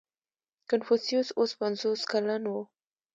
• کنفوسیوس اوس پنځوس کلن و.